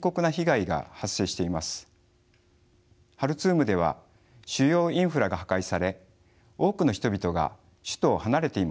ハルツームでは主要インフラが破壊され多くの人々が首都を離れています。